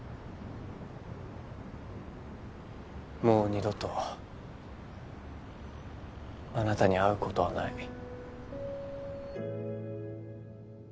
もう二度とあなたに会うことはない。